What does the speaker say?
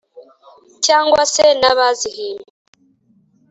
cyangwa se na bazihimbye.